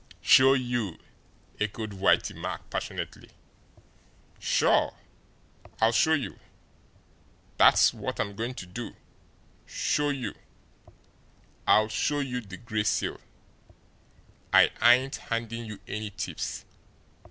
"Show you!" echoed Whitey Mack passionately. "Sure, I'll show you! That's what I'm going to do show you. I'll show you the Gray Seal! I ain't handing you any tips.